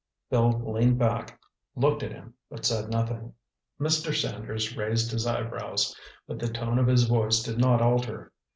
Bill leaned back, looking at him, but said nothing. Mr. Sanders raised his eyebrows, but the tone of his voice did not alter.